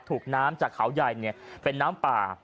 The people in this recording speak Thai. ถูกน้ำจากเขาใหญ่เป็นน้ำป่า